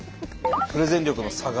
プレゼン力の差が。